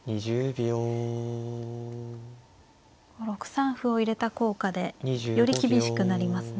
６三歩を入れた効果でより厳しくなりますね